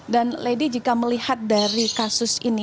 dan lady jika melihat dari kasus ini